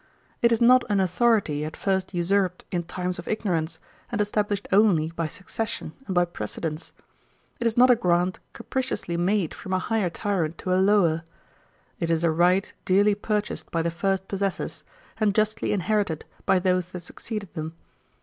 It is not an authority at first usurped in times of ignorance, and established only by succession and by precedents. It is not a grant capriciously made from a higher tyrant to a lower. It is a right dearly purchased by the first possessors, and justly inherited by those that succeeded them.